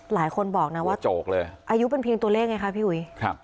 หลายคนบอกนะว่าโจกเลยอายุเป็นเพียงตัวเลขไงคะพี่อุ๋ยครับ